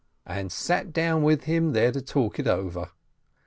And sat down with him there to talk it over.